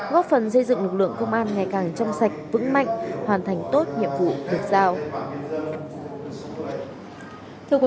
góp phần xây dựng lực lượng công an ngày càng trong sạch vững mạnh hoàn thành tốt nhiệm vụ được giao